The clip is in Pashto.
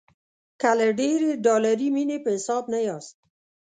که له ډېرې ډالري مینې په حساب نه یاست.